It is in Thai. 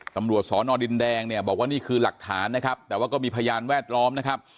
ตำรวจสอนอดินแดงเนี่ยบอกว่านี่คือหลักฐานนะครับแต่ว่าก็มีพยานแวดล้อมนะครับ